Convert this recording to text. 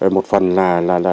một phần là